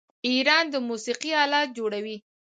ایران د موسیقۍ الات جوړوي.